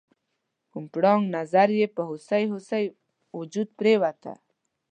کوم پړانګ نظر یې په هوسۍ هوسۍ وجود پریوته؟